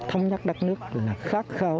thông nhắc đất nước là khát khao